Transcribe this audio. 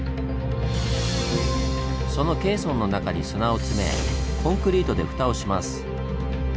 そのケーソンの中に砂を詰めコンクリートで蓋をします。